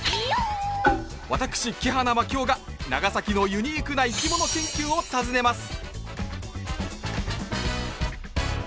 私木花牧雄が長崎のユニークな生き物研究を訪ねます